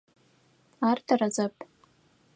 Ар тэрэзэп.